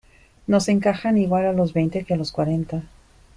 no se encajan igual a los veinte que a los cuarenta.